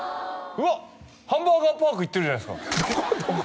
うわハンバーガーパーク行ってるじゃないですかどこどこ？